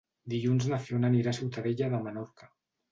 Dilluns na Fiona anirà a Ciutadella de Menorca.